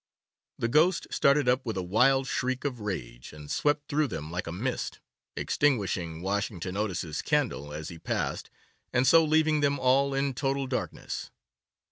The ghost started up with a wild shriek of rage, and swept through them like a mist, extinguishing Washington Otis's candle as he passed, and so leaving them all in total darkness.